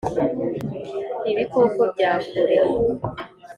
Ibikoko bya kure